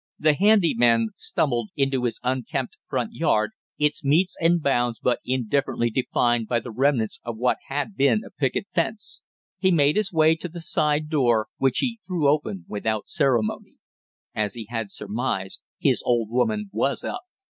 The handy man stumbled into his unkempt front yard, its metes and bounds but indifferently defined by the remnants of what had been a picket fence; he made his way to the side door, which he threw open without ceremony. As he had surmised, his old woman was up.